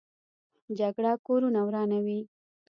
جګړه کورونه ورانوي